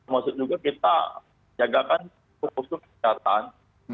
maksudnya juga kita jagakan posko posko kesehatan